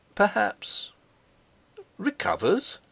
Perhaps...! "Recovers?"